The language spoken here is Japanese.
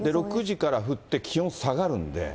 ６時から降って、気温下がるんで。